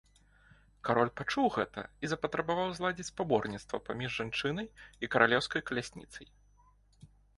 Кароль пачуў гэта і запатрабаваў зладзіць спаборніцтва паміж жанчынай і каралеўскай калясніцай.